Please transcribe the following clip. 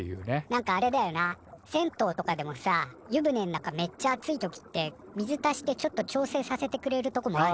何かあれだよな銭湯とかでもさ湯船ん中めっちゃ熱い時って水足してちょっと調整させてくれるとこもあんじゃん？